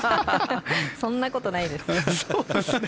そんなことないです。